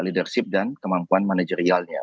leadership dan kemampuan manajerialnya